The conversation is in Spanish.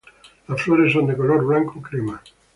Las flores son de color blanco crema.